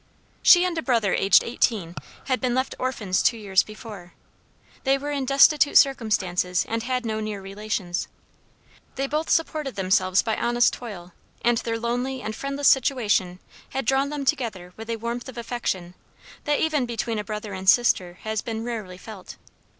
She and a brother aged eighteen had been left orphans two years before. They were in destitute circumstances and had no near relations. They both supported themselves by honest toil, and their lonely and friendless situation had drawn them together with a warmth of affection, that even between a brother and sister has been rarely felt.